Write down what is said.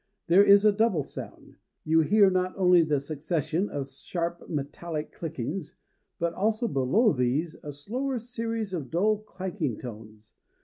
There is a double sound: you hear not only the succession of sharp metallic clickings, but also, below these, a slower series of dull clanking tones.